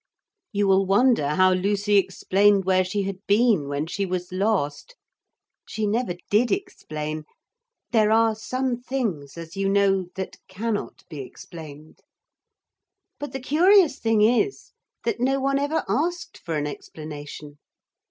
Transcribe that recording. ....... You will wonder how Lucy explained where she had been when she was lost. She never did explain. There are some things, as you know, that cannot be explained. But the curious thing is that no one ever asked for an explanation.